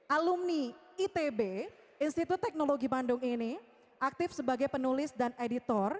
alumni itb institut teknologi bandung ini aktif sebagai penulis dan editor